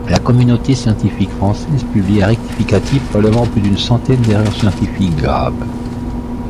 La communauté scientifique française publie un rectificatif relevant plus d'une centaine d'erreurs scientifiques graves.